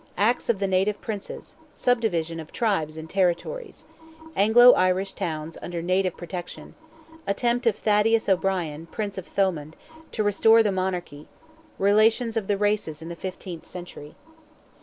ACTS OF THE NATIVE PRINCES—SUBDIVISION OF TRIBES AND TERRITORIES—ANGLO IRISH TOWNS UNDER NATIVE PROTECTION—ATTEMPT OF THADDEUS O'BRIEN, PRINCE OF THOMOND, TO RESTORE THE MONARCHY—RELATIONS OF THE RACES IN THE FIFTEENTH CENTURY.